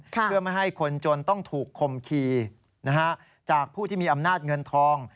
เพื่อไม่ให้คนจนต้องถูกคมขี่จากผู้ที่มีอำนาจเงินทอง